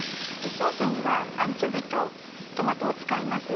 ソースにはアンチョビーとトマトを使います。